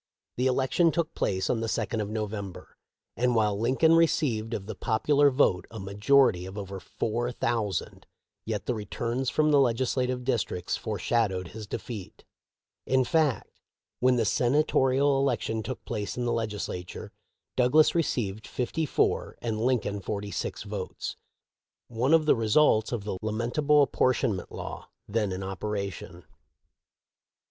The election took place on the second of November, and while Lincoln received of the popular vote a majority of over four thou sand, yet the returns from the legislative districts foreshadowed his defeat. In fact, when the Sena torial election took place in the Legislature, Douglas received fifty four and Lincoln forty six votes — one of the results of the lamentable appor tionment law then in operation.